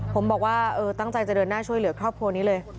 ผมบอกว่าตั้งใจจะเดินหน้าช่วยเหลือครอบครัวนี้เลย